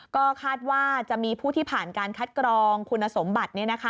ก็คาดว่าจะมีผู้ที่ผ่านการคัดกรองคุณสมบัติ